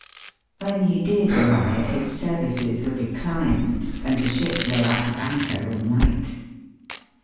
"When he did arrive his services were declined, and the ship lay out at anchor all night.